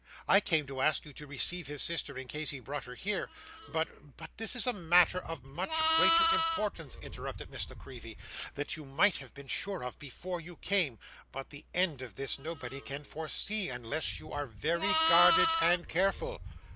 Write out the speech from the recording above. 'I came to ask you to receive his sister in case he brought her here, but ' 'But this is a matter of much greater importance,' interrupted Miss La Creevy; 'that you might have been sure of before you came, but the end of this, nobody can foresee, unless you are very guarded and careful.